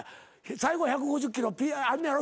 最後１５０キロあんねやろ？